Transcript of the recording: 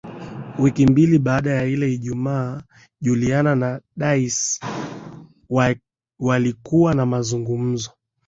Wiki mbili baada ya ile ijumaa Juliana na Daisy walikuwa na mazungumzo